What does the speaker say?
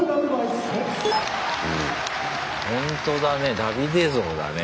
ほんとだねダビデ像だね。